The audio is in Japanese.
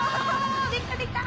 できたできた！